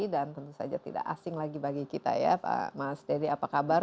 dan tentu saja tidak asing lagi bagi kita ya pak mas dede apa kabar